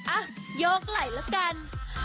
อะโยกไหลละกัน